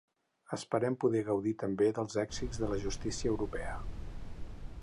Esperem poder gaudir també dels èxits de la justícia europea.